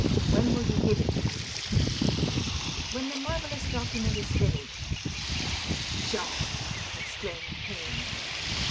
*^ When will you give it to me ?"" When the marvellous document is finished." " Pshaw !" exclaimed Payne.